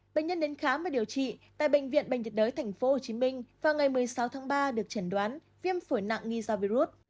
bệnh nhân đến khám và điều trị tại bệnh viện bệnh nhiệt đới tp hcm vào ngày một mươi sáu tháng ba được chẩn đoán viêm phổi nặng nghi do virus